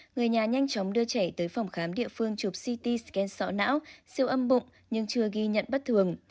người nhà nhanh chóng đưa trẻ tới phòng khám địa phương chụp ct scan sọ não siêu âm bụng nhưng chưa ghi nhận bất thường